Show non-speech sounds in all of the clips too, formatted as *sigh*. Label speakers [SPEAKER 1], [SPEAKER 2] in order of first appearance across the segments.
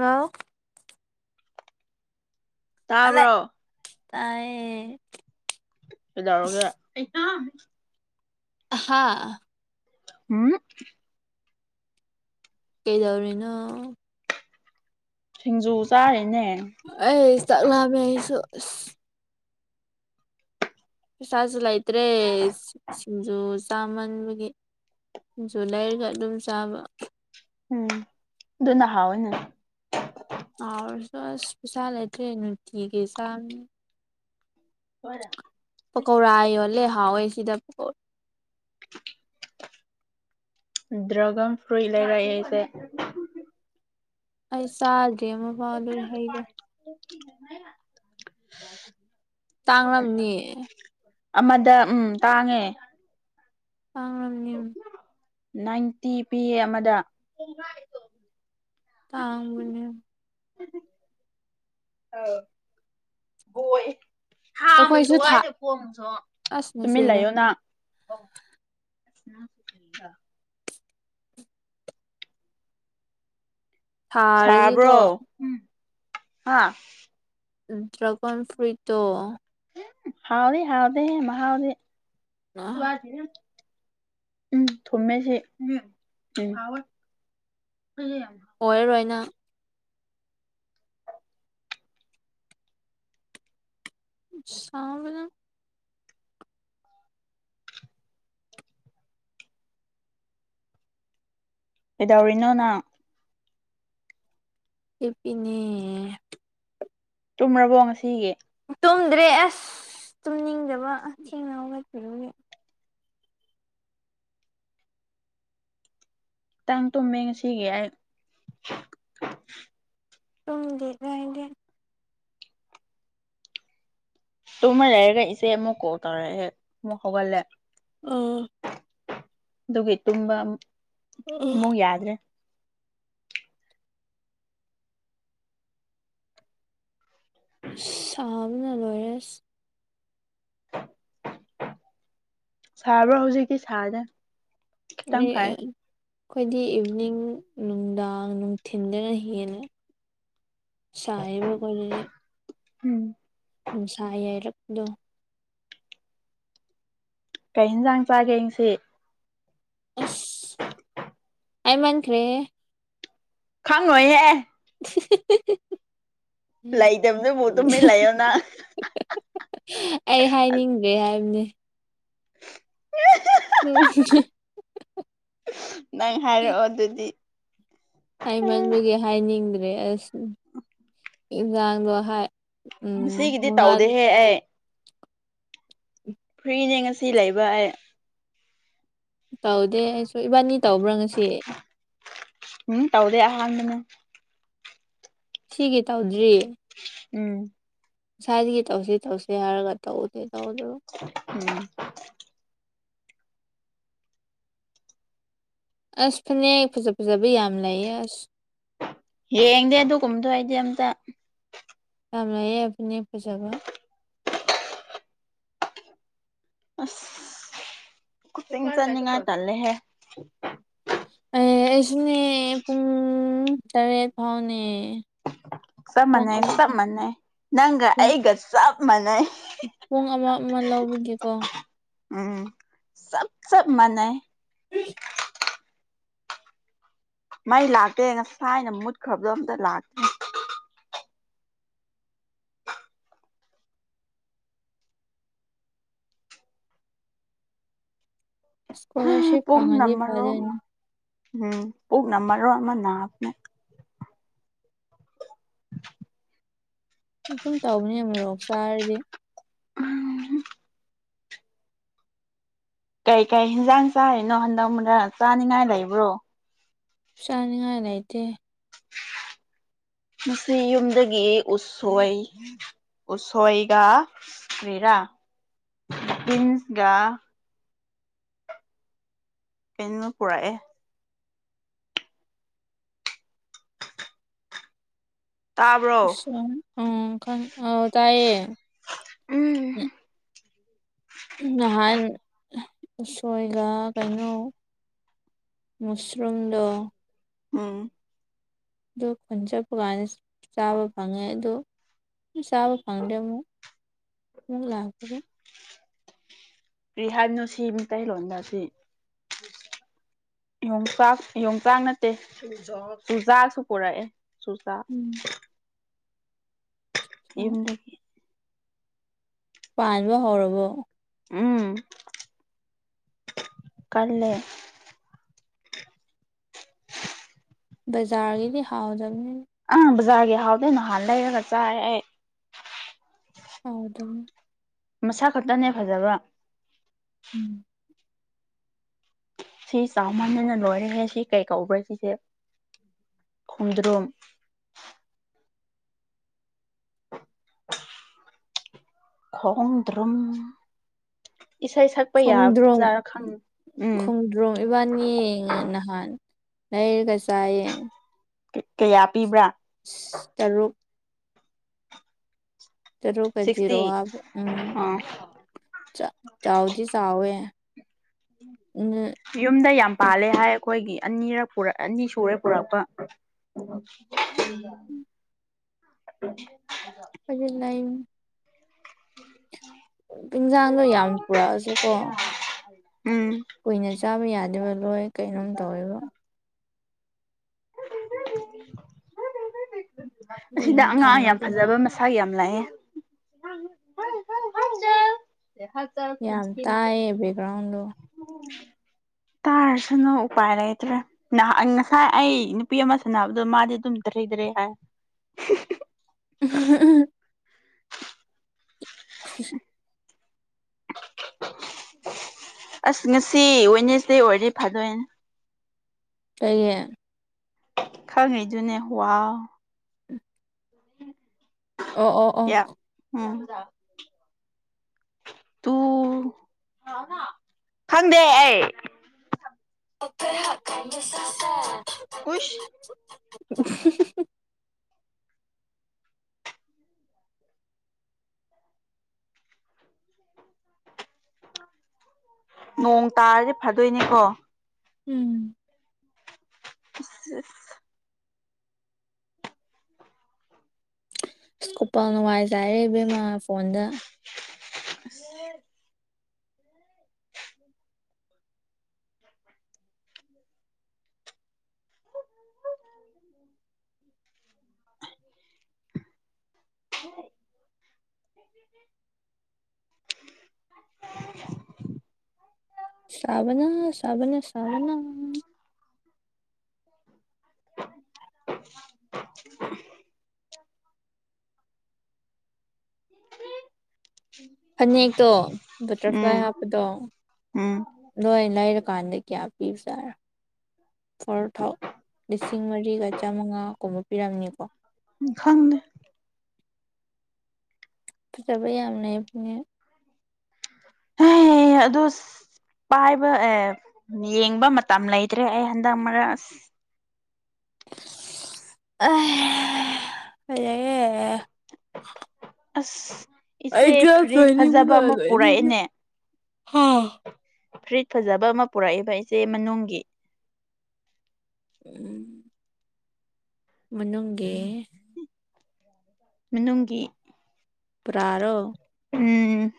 [SPEAKER 1] ꯋꯥ
[SPEAKER 2] ꯇꯥꯕ꯭ꯔꯣ
[SPEAKER 1] ꯇꯥꯏꯌꯦ
[SPEAKER 2] *unintelligible* ꯌꯥꯔꯒꯦ
[SPEAKER 1] ꯍꯥꯥ
[SPEAKER 2] ꯎꯝ
[SPEAKER 1] ꯀꯩꯗꯧꯔꯤꯅꯣ
[SPEAKER 2] ꯊꯖꯨ ꯆꯥꯏ
[SPEAKER 1] ꯑꯩ ꯆꯥꯛꯂꯃꯦꯁꯨ ꯄꯩꯁꯥꯁꯨ ꯂꯩꯇ꯭ꯔꯦ ꯁꯤꯡꯖꯨ ꯆꯥꯃꯟꯕꯒꯤ ꯖꯨꯂꯥꯏꯒ ꯑꯗꯨꯝ ꯆꯥꯕ
[SPEAKER 2] ꯎꯝ ꯑꯗꯨꯣꯅꯍ ꯑꯣꯏꯅ
[SPEAKER 1] ꯆꯁ ꯄꯩꯁꯥ ꯂꯩꯦꯇ꯭ꯔꯦꯅ ꯊꯤꯒꯩ ꯆꯝ ꯄꯀꯧꯔꯥ ꯌꯣꯜꯂꯦ ꯍꯥꯎꯋꯦ ꯁꯤꯗ ꯄꯀꯥ
[SPEAKER 2] ꯗ꯭ꯔꯒꯟ ꯐ꯭ꯂꯨꯏ ꯂꯩꯔꯁꯦ
[SPEAKER 1] ꯑꯩ ꯆꯥꯗꯦ ꯑꯃ ꯐꯥꯎ ꯂꯣꯏ ꯍꯩꯗꯣ
[SPEAKER 2] *unintelligible*
[SPEAKER 1] ꯇꯥꯡꯂꯝꯅꯤ
[SPEAKER 2] ꯑꯃꯗ ꯎꯝ ꯇꯥꯡꯉꯦ
[SPEAKER 1] ꯇꯥꯡꯅꯤ
[SPEAKER 2] ꯅꯥꯏꯟꯇꯤ ꯄꯤ ꯑꯦ ꯑꯃꯗ
[SPEAKER 1] ꯇꯥꯡꯒꯅ
[SPEAKER 2] *unintelligible* ꯑ ꯣꯏ ꯍꯥꯡꯕꯔꯤꯗ
[SPEAKER 1] ꯑꯩꯈꯣꯏꯁꯨ ꯊꯥ
[SPEAKER 2] ꯋꯥꯏꯗꯦ ꯈꯣꯡꯨꯁꯨ
[SPEAKER 1] ꯑꯁ ꯅꯆꯦꯗꯣ
[SPEAKER 2] ꯇꯨꯃꯤꯟꯂꯌꯨꯅ ꯑꯣꯔꯤ *unintelligible*
[SPEAKER 1] ꯊꯥꯔꯗꯤꯀꯣ
[SPEAKER 2] ꯁꯕ꯭ꯔꯣ ꯍꯥ
[SPEAKER 1] ꯗ꯭ꯔꯒꯣꯟ ꯐ꯭ꯨꯔꯤꯇꯣ
[SPEAKER 2] ꯍꯥꯎꯗꯦ ꯍꯥꯎꯗꯦ ꯍꯥꯎꯗꯦ ꯎꯝ ꯊꯃꯦꯁꯤ
[SPEAKER 1] ꯑꯣꯏꯔꯣꯏꯅ ꯁꯥꯡꯕꯂ
[SPEAKER 2] ꯑꯦꯗꯣꯔꯤ ꯏꯅꯣꯅ
[SPEAKER 1] ꯄꯅꯦ
[SPEAKER 2] ꯇꯨꯝꯔꯕꯣ ꯉꯁꯤꯒꯤ
[SPEAKER 1] ꯇꯨꯝꯗ꯭ꯔꯦ ꯑꯁ ꯇꯨꯝꯅꯤꯡꯗꯕ ꯊꯦꯡꯅ ꯂꯧꯒꯠꯄꯤꯔꯨꯒꯦ
[SPEAKER 2] ꯇꯥꯡ ꯇꯨꯝꯃꯦ ꯉꯁꯤꯒꯤ ꯑꯩ
[SPEAKER 1] ꯎꯝꯗꯤ ꯏꯗꯤ
[SPEAKER 2] ꯇꯨꯝꯃ ꯂꯩꯔꯒ ꯏꯆꯦ ꯑꯃꯨꯛ ꯀꯣꯜ ꯇꯧꯔꯦ ꯑꯃꯨꯛ ꯍꯧꯒꯠꯂꯦ
[SPEAKER 1] ꯎꯝ
[SPEAKER 2] ꯑꯗꯨꯒꯤ ꯇꯨꯝꯕ
[SPEAKER 1] ꯑ
[SPEAKER 2] ꯑꯃꯨꯛ ꯌꯥꯗ꯭ꯔꯦ
[SPEAKER 1] ꯆꯥꯕꯅ ꯂꯣꯏꯔꯦꯁ
[SPEAKER 2] ꯁꯥꯕ꯭ꯔꯣ ꯍꯧꯖꯤꯛꯇꯤ ꯁꯥꯁꯦ
[SPEAKER 1] ꯃꯤ ꯑꯩꯈꯣꯏꯗꯤ ꯏꯚꯤꯅꯤꯡ ꯅꯨꯡꯗꯥꯡ ꯅꯨꯡꯊꯤꯟꯗꯅ ꯍꯦꯟꯅ ꯁꯥꯏꯕ ꯀꯦ
[SPEAKER 2] ꯎꯝ
[SPEAKER 1] ꯅꯨꯡꯁꯥ ꯌꯥꯏꯔꯛꯗꯣ
[SPEAKER 2] ꯀꯩ ꯌꯦꯟꯁꯥꯡ ꯆꯥꯒꯦ ꯑꯩꯡꯁꯤ
[SPEAKER 1] ꯑꯁ ꯑꯃꯈ꯭ꯔꯦ
[SPEAKER 2] ꯈꯪꯉꯣꯏꯍꯦ
[SPEAKER 1] *unintelligible*
[SPEAKER 2] ꯂꯩꯇꯕꯗꯨꯕꯨ ꯇꯨꯃꯤꯟ ꯂꯩꯌꯣꯅꯥ
[SPEAKER 1] ꯑꯩ ꯍꯥꯏꯅꯤꯡꯗ꯭ꯔꯦ ꯍꯥꯏꯕꯅꯤ
[SPEAKER 2] ꯅꯪ ꯍꯥꯏꯔꯛꯑꯣ ꯑꯗꯨꯗꯤ
[SPEAKER 1] ꯍꯥꯏꯃꯟꯕꯒꯤ ꯍꯥꯏꯅꯤꯡꯗ꯭ꯔꯦ ꯑꯁ ꯏꯟꯁꯥꯡꯗꯣ
[SPEAKER 2] ꯁꯤꯒꯤꯗꯤ ꯇꯧꯗꯦꯍꯦ ꯑꯩ ꯐ꯭ꯔꯤꯅꯦ ꯉꯁꯤ ꯂꯩꯕ
[SPEAKER 1] ꯇꯧꯗꯦ ꯑꯩꯁꯨ ꯏꯕꯥꯅꯤ ꯇꯧꯕ꯭ꯔꯥ ꯉꯁꯤ
[SPEAKER 2] ꯋꯥꯗꯅ *unintelligible*
[SPEAKER 1] ꯁꯤꯒꯤ ꯇꯧꯗ꯭ꯔꯤꯌꯦ
[SPEAKER 2] ꯎꯝ
[SPEAKER 1] ꯁꯋꯥꯏꯗꯒꯤ ꯇꯧꯁꯤ ꯇꯧꯁꯤ ꯍꯥꯏꯔꯒ ꯇꯧꯗꯦ ꯇꯧꯗꯕ
[SPEAKER 2] ꯎꯝ
[SPEAKER 1] ꯑꯁ ꯐꯅꯦꯛ ꯐꯖꯥ ꯐꯖꯕ ꯌꯥꯝ ꯂꯩꯌꯦ ꯑꯁ
[SPEAKER 2] ꯌꯦꯡꯗꯦ ꯑꯗꯨꯒꯨꯝꯕꯗꯣ ꯑꯩꯗꯤ ꯑꯃꯇ
[SPEAKER 1] ꯌꯝ ꯂꯩꯌꯦ ꯐꯅꯦꯛ ꯐꯖꯕ
[SPEAKER 2] ꯑꯁ ꯆꯅꯤꯡꯉꯥꯏ ꯇꯜꯂꯤꯏꯦ
[SPEAKER 1] ꯑꯦ ꯑꯩꯁꯨꯅꯦ ꯄꯨꯡ ꯇꯔꯦꯠ ꯐꯥꯎꯅꯦ
[SPEAKER 2] ꯆꯞ
[SPEAKER 1] ꯄꯨꯡ
[SPEAKER 2] ꯃꯥꯟꯅꯩ
[SPEAKER 1] ꯑꯃ
[SPEAKER 2] ꯆꯞ ꯃꯥꯟꯅꯩ ꯅꯪꯒ
[SPEAKER 1] ꯄꯨꯡ
[SPEAKER 2] ꯑꯩꯒ ꯆꯞ ꯃꯥꯟꯅꯩ
[SPEAKER 1] ꯄꯨꯡ ꯑꯃ ꯑꯃ ꯂꯧꯕꯒꯤꯀꯣ
[SPEAKER 2] ꯎꯝ ꯆꯞ ꯆꯞ ꯃꯥꯟꯅꯩ
[SPEAKER 1] ꯍ *unintelligible*
[SPEAKER 2] ꯃꯩ ꯂꯥꯛꯇꯦ ꯉꯁꯥꯏꯅ ꯃꯨꯠꯈ꯭ꯔꯕꯗꯣ ꯑꯃꯇ ꯂꯥꯛꯇꯦ
[SPEAKER 1] ꯏꯁꯀꯣꯂꯥꯔꯁꯤꯞ
[SPEAKER 2] ꯄꯨꯛꯅ
[SPEAKER 1] ꯐꯪꯉꯗꯤ
[SPEAKER 2] ꯃꯔꯣꯟ
[SPEAKER 1] ꯐꯗꯣꯏꯅꯤ
[SPEAKER 2] ꯎꯝ ꯄꯨꯛꯅ ꯃꯔꯣꯟ ꯑꯃ ꯅꯕꯅꯦ *unintelligible*
[SPEAKER 1] ꯑꯗꯨꯝ ꯇꯧꯕꯅꯦ ꯃꯣꯔꯣꯛ ꯆꯥꯔꯗꯤ
[SPEAKER 2] ꯎꯝ ꯀꯩ ꯀꯔꯤ ꯍꯦꯟꯖꯥꯡ ꯆꯥꯔꯤꯅꯣ ꯍꯟꯗꯛ ꯃꯔꯛ ꯆꯥꯅꯤꯡꯉꯥꯏ ꯂꯩꯕ꯭ꯔꯣ
[SPEAKER 1] ꯆꯥꯅꯤꯡꯉꯥꯏ ꯂꯩꯇꯦ
[SPEAKER 2] ꯉꯁꯤ ꯌꯨꯝꯗꯒꯤ ꯎꯁꯣꯏ ꯎꯁꯣꯏꯒ ꯀꯔꯤꯔꯥ ꯇꯤꯟꯁꯒꯥ ꯀꯩꯅꯣ ꯄꯨꯔꯛꯑꯦ ꯇꯥꯕ꯭ꯔꯣ
[SPEAKER 1] ꯎꯁꯣꯏ ꯎꯝ ꯇꯥꯏꯌꯦ
[SPEAKER 2] ꯎꯝ
[SPEAKER 1] ꯅꯍꯥꯟ ꯎꯁꯣꯏꯒ ꯀꯩꯅꯣ ꯃꯨꯁꯔꯨꯝꯗꯣ
[SPEAKER 2] ꯎꯝ
[SPEAKER 1] ꯑꯗꯨ ꯈꯨꯟ ꯆꯠꯄꯀꯥꯟꯗ ꯆꯥꯕ ꯐꯪꯉꯦ ꯑꯗꯣ ꯆꯕ ꯐꯪꯗꯦ ꯑꯃꯨꯨꯛ ꯂꯥꯛꯄꯗ
[SPEAKER 2] ꯀꯔꯤ ꯍꯥꯏꯕꯅꯣ ꯁꯤ ꯃꯩꯇꯩꯂꯣꯟꯗ ꯑꯁꯤ ꯌꯣꯡꯆꯥꯛ ꯌꯣꯡꯆꯥꯛ ꯅꯠꯇꯦ ꯆꯨꯖꯥꯛꯁꯨ ꯄꯨꯔꯛꯑꯦ ꯆꯨꯖꯥꯛ
[SPEAKER 1] ꯎꯝ
[SPEAKER 2] ꯌꯨꯝꯗꯒꯤ
[SPEAKER 1] ꯄꯥꯟꯕ ꯍꯧꯔꯕꯣ
[SPEAKER 2] ꯎꯝ ꯀꯜꯂꯦ
[SPEAKER 1] ꯕꯖꯥꯔꯒꯤꯗꯤ ꯍꯥꯎꯗꯕꯅꯤ
[SPEAKER 2] ꯕꯔꯖꯥꯔꯒꯤ ꯍꯥꯎꯇꯦ ꯅꯍꯥꯟ ꯂꯩꯔꯒ ꯆꯥꯌꯦ ꯑꯩ
[SPEAKER 1] ꯍꯥꯎꯇꯕꯅꯦ
[SPEAKER 2] ꯃꯁꯥ ꯈꯛꯇꯅꯦ ꯐꯖꯕ
[SPEAKER 1] ꯎꯝ
[SPEAKER 2] ꯁꯤ ꯆꯥꯎꯃꯟꯕꯅ ꯂꯣꯏꯔꯦ ꯁꯤ ꯀꯩ ꯀꯧꯕ꯭ꯔꯥ ꯁꯤꯁꯦ ꯈꯣꯡꯗ꯭ꯔꯨꯝ ꯈꯣꯡꯗ꯭ꯔꯨꯝ ꯏꯁꯩ ꯁꯛꯄ
[SPEAKER 1] ꯈꯣꯡꯗ꯭ꯔꯨꯝ
[SPEAKER 2] ꯌꯥꯕꯖꯥꯔꯥ ꯈꯪꯉꯦ ꯎꯝ
[SPEAKER 1] ꯈꯣꯡꯗ꯭ꯔꯨꯝ ꯏꯕꯥꯅꯤ ꯍꯥꯟ ꯂꯩꯔꯒ ꯆꯥꯏꯌꯦ
[SPEAKER 2] ꯀꯌꯥ ꯄꯤꯕ꯭ꯔ
[SPEAKER 1] ꯇꯔꯨꯛ ꯇꯔꯨꯛ ꯀ ꯖꯤꯔꯣ
[SPEAKER 2] ꯁꯤꯛꯁꯇꯤ
[SPEAKER 1] ꯍꯥꯞꯄ ꯎꯝ
[SPEAKER 2] ꯑꯥ
[SPEAKER 1] ꯆꯥꯎꯗꯤ ꯆꯥꯎꯋꯦ
[SPEAKER 2] ꯌꯨꯝꯗ ꯌꯥꯝ ꯄꯥꯜꯂꯦ ꯍꯥꯏ ꯑꯩꯈꯣꯏꯒꯤ ꯑꯅꯤꯔ ꯑꯅꯤ ꯁꯨꯔꯦ ꯄꯨꯔꯛꯄ ꯎꯝ
[SPEAKER 1] ꯐꯖ ꯂꯏ ꯏꯟꯁꯥꯡꯗꯣ ꯌꯥꯝ ꯄꯨꯔꯛꯑꯁꯨ ꯀꯣ
[SPEAKER 2] ꯎꯝ
[SPEAKER 1] ꯀꯨꯏꯅ ꯆꯥꯕ ꯌꯥꯗꯦꯕ ꯂꯣꯏ ꯀꯩꯅꯣꯝ ꯇꯧꯋꯦꯕ
[SPEAKER 2] ꯑꯁꯤꯗ
[SPEAKER 1] ꯀꯨꯏꯅ
[SPEAKER 2] ꯑꯉꯥꯡ ꯌꯥꯝ
[SPEAKER 1] ꯊꯝꯃꯗꯤ
[SPEAKER 2] ꯐꯖꯕ ꯃꯁꯥ ꯌꯥꯝ ꯂꯩꯌꯦ
[SPEAKER 1] ꯌꯥꯝ ꯇꯥꯏꯌꯦ ꯕꯦꯛꯒ꯭ꯔꯥꯎꯟꯗꯣ *inaudible*
[SPEAKER 2] ꯇꯥꯔꯁꯅꯨ ꯎꯄꯥꯏ ꯂꯩꯇ꯭ꯔꯦ ꯉꯍꯥꯟ ꯉꯁꯥꯏ ꯑꯩ ꯅꯨꯄꯤ ꯑꯃ ꯁꯥꯟꯅꯕꯗꯣ ꯃꯥꯗꯤ ꯑꯗꯨꯝ ꯗꯔꯦ ꯗꯔꯦ ꯑ
[SPEAKER 1] ꯎꯝ ꯎꯝ ꯎ *unintelligible* *inaudible*
[SPEAKER 2] ꯑꯁ ꯉꯁꯤ ꯋꯦꯅꯦꯖꯗꯦ ꯑꯣꯏꯔꯗꯤ ꯐꯥꯗꯣꯏꯅꯦ
[SPEAKER 1] ꯀꯩꯒꯤ
[SPEAKER 2] ꯈꯪꯉꯤꯗꯨꯅꯦ ꯋꯥ
[SPEAKER 1] ꯑꯣ ꯑꯣ ꯑꯣ
[SPEAKER 2] ꯀꯌꯥ ꯎꯝ ꯇꯨ ꯈꯪꯗꯦ ꯑꯩ
[SPEAKER 1] ꯑꯣꯈꯔ ꯍꯥ ꯈꯗꯁ ꯑ
[SPEAKER 2] ꯍꯨꯏꯁ
[SPEAKER 1] *unintelligible* *inaudible*
[SPEAKER 2] ꯅꯣꯡ ꯇꯥꯔꯗꯤ ꯐꯥꯗꯣꯏꯅꯦꯀꯣ
[SPEAKER 1] ꯎꯝ
[SPEAKER 2] ꯑ
[SPEAKER 1] ꯁꯀꯣꯄ ꯅꯨꯡꯉꯥꯏꯖꯔꯦ ꯏꯕꯦꯝꯃ ꯐꯣꯟꯗ
[SPEAKER 2] *unintelligible*
[SPEAKER 1] *inaudible* *inaudible*
[SPEAKER 2] *unintelligible*
[SPEAKER 1] *inaudible* ꯁꯥꯕꯅ ꯁꯥꯕꯅ ꯁꯥꯕꯅ
[SPEAKER 2] *unintelligible*
[SPEAKER 1] ꯐꯅꯦꯛꯇꯣ ꯕꯇꯔꯐ꯭ꯂꯥꯏ
[SPEAKER 2] ꯎꯝ
[SPEAKER 1] ꯍꯥꯞꯄꯗꯣ
[SPEAKER 2] ꯎꯝ
[SPEAKER 1] ꯑꯗꯨ ꯑꯣꯏꯅ ꯂꯩꯔ ꯗꯨꯀꯥꯟꯗ ꯀꯌꯥ ꯄꯤꯕꯖꯥꯔ ꯐꯣꯔ ꯊꯥꯎ ꯂꯤꯁꯤꯡ ꯃꯔꯤꯒ ꯆꯥꯝꯃꯉꯥ ꯀꯨꯝꯕ ꯄꯤꯔꯝꯅꯤꯀꯣ
[SPEAKER 2] ꯈꯪꯗꯦ
[SPEAKER 1] ꯐꯖꯕ ꯌꯥꯝ ꯂꯩꯕꯅꯦ
[SPEAKER 2] ꯍꯦ ꯑꯗꯨ ꯄꯥꯏꯕ ꯑꯦ ꯌꯦꯡꯕ ꯃꯇꯝ ꯂꯩꯇ꯭ꯔꯦ ꯑꯩ ꯍꯟꯗꯛ ꯃꯔꯛ ꯑꯁ
[SPEAKER 1] ꯑ ꯍꯦ *unintelligible*
[SPEAKER 2] ꯑꯁ ꯏꯆꯦ ꯐꯔꯤꯠ ꯐꯖꯕ ꯑꯃ
[SPEAKER 1] ꯂꯣꯏꯅꯤꯡꯕꯅ
[SPEAKER 2] ꯄꯨꯔꯛꯑꯦꯅꯦ ꯐꯨꯔꯤꯠ ꯐꯖꯕ ꯑꯃ ꯄꯨꯔꯛꯏꯕ ꯑꯩꯆꯦ ꯃꯅꯨꯡꯒꯤ
[SPEAKER 1] ꯎꯝ ꯃꯅꯨꯡꯅꯒꯤ
[SPEAKER 2] ꯃꯅꯨꯡꯒꯤ
[SPEAKER 1] ꯄꯥꯔꯣ
[SPEAKER 2] ꯎꯝ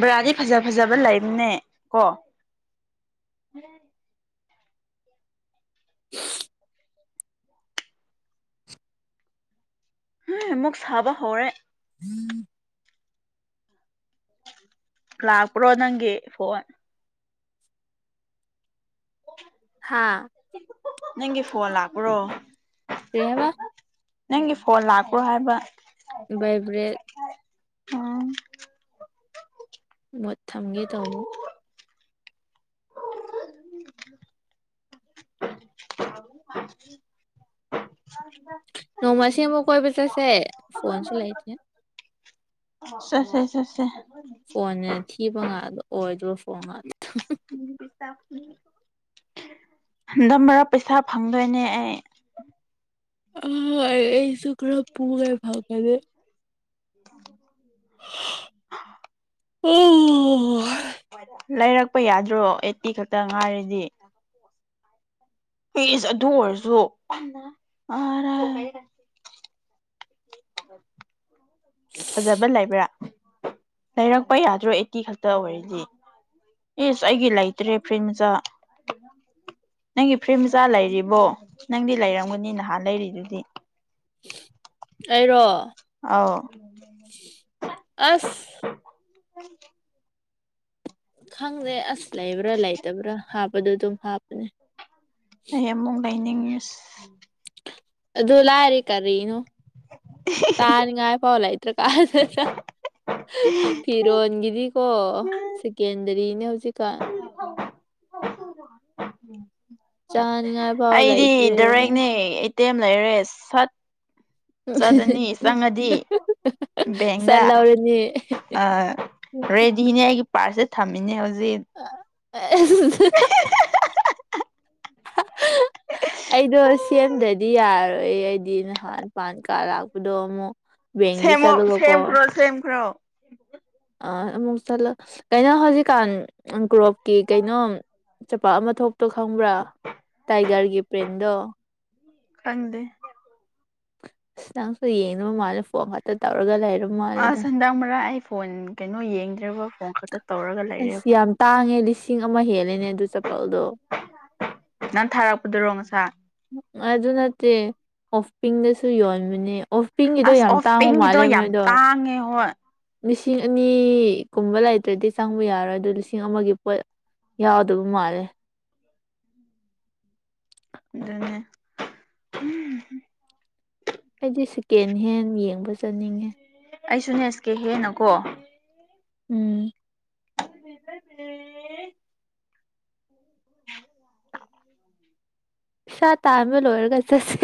[SPEAKER 2] ꯕꯔꯥꯗꯤ ꯐꯖ ꯐꯖꯕ ꯂꯩꯝꯅꯦ ꯀꯣ ꯍ
[SPEAKER 1] *inaudible*
[SPEAKER 2] ꯍ ꯃꯛ ꯆꯕ ꯍꯧꯔꯦ
[SPEAKER 1] ꯎꯝ
[SPEAKER 2] ꯂꯥꯛꯄ꯭ꯔꯣ ꯅꯪꯒꯤ ꯐꯣꯟ
[SPEAKER 1] ꯍꯥꯥ
[SPEAKER 2] ꯅꯪꯒꯤ ꯐꯣꯟ ꯂꯥꯛꯄ꯭ꯔꯣ
[SPEAKER 1] ꯁꯤꯕ
[SPEAKER 2] ꯅꯪꯒꯤ ꯐꯣꯟ ꯂꯥꯛꯄ꯭ꯔꯣ ꯍꯥꯏꯕ
[SPEAKER 1] ꯚꯥꯏꯕꯔꯦꯠ
[SPEAKER 2] ꯑ
[SPEAKER 1] ꯊꯝꯒꯦ ꯇꯧꯕ ꯅꯣꯡꯃꯁꯤ ꯑꯃꯕꯨ ꯀꯣꯏ ꯖꯥꯁꯦ ꯐꯣꯟ ꯆꯂꯥꯏꯗꯤꯦ
[SPEAKER 2] ꯦꯦ
[SPEAKER 1] ꯐꯣꯟꯅꯦ ꯊꯤꯕ ꯉꯗꯣ ꯑꯣꯏꯗ꯭ꯔꯣ ꯐꯣꯟ ꯉꯥꯛꯇꯗ
[SPEAKER 2] ꯎ ꯟꯗꯝ ꯃꯔꯔꯥ ꯄꯩꯁꯥ ꯐꯪꯗꯣꯏꯅꯦ ꯑꯩ
[SPEAKER 1] ꯑ ꯑꯩꯁꯨꯨꯀꯔ ꯄꯒꯦ ꯐꯥꯎ ꯀꯗꯦ
[SPEAKER 2] *inaudible*
[SPEAKER 1] ꯎꯝ
[SPEAKER 2] ꯂꯩꯔꯛꯄ ꯌꯥꯗ꯭ꯔꯣ ꯑꯩꯠꯇꯤ ꯈꯛꯇ ꯉꯥꯏꯔꯤꯗꯤ ꯐꯁ ꯑꯗꯨ ꯑꯣꯏꯔꯁꯨ ꯑ ꯑ ꯐꯖꯕ ꯂꯩꯕ꯭ꯔꯥ ꯂꯩꯔꯛꯄ ꯌꯥꯗ꯭ꯔꯣ ꯑꯦꯇꯤ ꯈꯛꯇ ꯑꯣꯏꯔꯗꯤ ꯑꯦꯁ ꯑꯩꯒꯤ ꯂꯩꯇ꯭ꯔꯦ ꯐ꯭ꯔꯤꯃꯆꯥ ꯅꯪꯒꯤ ꯐ꯭ꯔꯤ ꯃꯆꯥ ꯂꯩꯔꯤꯕꯣ ꯅꯪꯗꯤ ꯂꯩꯔꯝꯒꯅꯤ ꯅꯍꯥꯟ ꯂꯩꯔꯤꯗꯨꯗꯤ
[SPEAKER 1] ꯑꯩꯔꯣ
[SPEAKER 2] ꯑꯧ
[SPEAKER 1] ꯑꯁ
[SPEAKER 2] ꯎꯝ
[SPEAKER 1] ꯈꯪꯗꯦ ꯑꯁ ꯂꯩꯕ꯭ꯔꯥ ꯂꯩꯇꯕ꯭ꯔꯥ ꯍꯥꯞꯄꯗꯣ ꯑꯗꯨꯝ ꯍꯥꯞꯄꯅꯦ
[SPEAKER 2] ꯑꯩ ꯑꯃꯨꯛ ꯂꯩꯅꯤꯡꯉꯁ
[SPEAKER 1] ꯣꯂꯔꯦ ꯀꯔꯤꯅꯣ ꯁꯥꯟꯅ ꯉꯥꯏ ꯐꯥꯎ ꯂ ꯐꯤꯔꯣꯟꯒꯤꯗꯤꯀꯣ ꯁꯦꯀꯦꯟꯗꯔꯤ ꯅ꯭ꯌ ꯍꯧꯖꯤꯀ ꯆꯥꯅꯤꯡꯉꯥꯏ
[SPEAKER 2] *inaudible*
[SPEAKER 1] ꯐꯥꯎ
[SPEAKER 2] ꯑꯩꯗꯤ
[SPEAKER 1] ꯂꯩꯇ꯭ꯔꯦ
[SPEAKER 2] ꯔꯦꯛꯅꯦ ꯏꯇꯦꯝ ꯂꯩꯔꯦ ꯁꯠ ꯆꯠꯗꯅꯤ ꯆꯪꯉꯗꯤ
[SPEAKER 1] ꯆꯠ
[SPEAKER 2] ꯕꯦꯡꯗ
[SPEAKER 1] ꯂꯧꯔꯅꯤ
[SPEAKER 2] ꯑ ꯔꯦꯗꯤꯅꯦ ꯑꯩꯒꯤ ꯄꯥꯔꯁꯦ ꯊꯝꯃꯤꯅꯦ ꯍꯧꯖꯤꯛ
[SPEAKER 1] *inaudible* ꯑꯩꯗꯣ ꯁꯦꯝꯗ꯭ꯔꯗꯤ ꯌꯥꯔꯣꯏ ꯑꯩ ꯑꯩꯗꯤ ꯅꯍꯥꯟ ꯄꯥꯟ ꯀꯥ ꯂꯥꯛꯄꯗꯣ ꯑꯃꯨꯛ ꯕꯦꯡꯗ
[SPEAKER 2] ꯁꯦꯝꯃ
[SPEAKER 1] ꯆꯠꯂꯒꯀꯣ
[SPEAKER 2] ꯁꯦꯝꯈ꯭ꯔꯣ ꯁꯦꯝꯈ꯭ꯔꯣ
[SPEAKER 1] ꯑ ꯑꯃꯨꯛ ꯆꯠꯂ ꯀꯩꯅꯣ ꯍꯧꯖꯤꯛꯀꯥꯟ ꯒ꯭ꯔꯣꯞꯀꯤ ꯀꯩꯅꯣ ꯆꯄꯥꯛ ꯑꯃ ꯊꯣꯛꯇꯣ ꯈꯪꯕ꯭ꯔꯥ ꯇꯥꯏꯒꯔꯒꯤ ꯄ꯭ꯔꯦꯟꯗꯣ
[SPEAKER 2] ꯀꯪꯗ
[SPEAKER 1] ꯑꯁ ꯅꯪꯁꯨ ꯌꯦꯡꯅꯕ ꯃꯥꯜꯂꯦ ꯐꯣꯟ ꯈꯛꯇ ꯇꯧꯔꯒ ꯂꯩꯔ
[SPEAKER 2] ꯑ
[SPEAKER 1] ꯃꯥꯜꯂꯦꯗ
[SPEAKER 2] ꯁꯟꯗꯡ ꯃꯔꯔꯥ ꯑꯩ ꯐꯣꯟ ꯀꯩꯅꯣ ꯌꯦꯡꯗ꯭ꯔꯕ ꯐꯣꯟ ꯈ
[SPEAKER 1] ꯑꯁ ꯌꯥꯝ ꯇꯥꯡꯉꯦ ꯂꯤꯁꯤ ꯆꯤꯡ ꯑꯃ ꯍꯦꯜꯂꯦꯅꯦ ꯑꯗꯨ ꯆꯄꯜꯗꯣ
[SPEAKER 2] ꯅꯪ ꯊꯥꯔꯛꯄꯗꯨꯔꯣ ꯉꯁꯥꯏ
[SPEAKER 1] ꯑꯗꯨ ꯅꯠꯇꯦ ꯑꯣꯐꯄꯤꯡꯗꯁꯨ ꯌꯣꯟꯕꯅꯦ ꯑꯣ ꯄꯤꯡꯒꯤꯗꯣ
[SPEAKER 2] ꯑꯁ
[SPEAKER 1] ꯌꯥꯝ
[SPEAKER 2] ꯑꯣꯐ
[SPEAKER 1] ꯇꯥꯡꯕ
[SPEAKER 2] ꯄꯤꯡꯒꯤꯗꯣ
[SPEAKER 1] ꯃꯥꯜꯂꯦ
[SPEAKER 2] ꯌꯥꯝ
[SPEAKER 1] ꯃꯣꯏꯗꯣ
[SPEAKER 2] ꯇꯥꯡꯉꯦ ꯍꯣꯏ
[SPEAKER 1] ꯂꯤꯁꯤꯡ ꯑꯅꯤꯒꯨꯝꯕ ꯂꯩꯇ꯭ꯔꯗꯤ ꯆꯪꯕ ꯌꯥꯔꯣꯏ ꯑꯗꯨꯗ ꯂꯤꯁꯤꯡ ꯑꯃꯒꯤ ꯄꯣꯠ ꯌꯥꯎꯗꯕ ꯃꯥꯂꯦ
[SPEAKER 2] ꯑꯗꯨꯅꯦ
[SPEAKER 1] ꯑꯩꯗꯤ ꯁꯦꯀꯦꯟ ꯍꯦꯟ ꯌꯦꯡꯕ ꯆꯠꯅꯤꯡꯉꯦ
[SPEAKER 2] ꯑꯩꯁꯨ ꯅꯦꯁꯀꯦ ꯍꯦꯟꯅꯀꯣ
[SPEAKER 1] ꯎꯝ
[SPEAKER 2] *unintelligible*
[SPEAKER 1] ꯁꯥ ꯇꯥꯃꯦ ꯂꯣꯏ ꯑꯣꯏꯔꯒ ꯆꯁꯤ